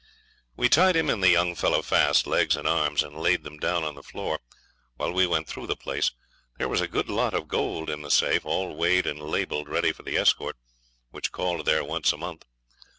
We tied him and the young fellow fast, legs and arms, and laid them down on the floor while we went through the place. There was a good lot of gold in the safe all weighed and labelled ready for the escort, which called there once a month.